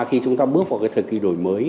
khi chúng ta bước vào cái thời kỳ đổi mới